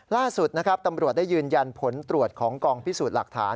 ล่าสุดนะครับตำรวจได้ยืนยันผลตรวจของกองพิสูจน์หลักฐาน